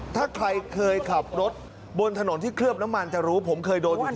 ถ้าใครเคยขับรถบนถนนที่เคลือบน้ำมันจะรู้ผมเคยโดนอยู่